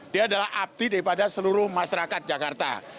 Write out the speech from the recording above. dia adalah abdi daripada seluruh masyarakat jakarta